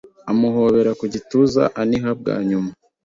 Amuhobera ku gituza aniha bwa nyuma